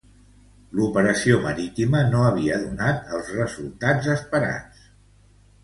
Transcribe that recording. L'operació marítima no havia donat els resultats esperats.